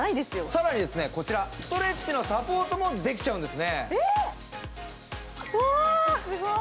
更にこちらストレッチのサポートもできちゃうんです。